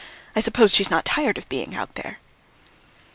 I suppose she's not tired of being out there?"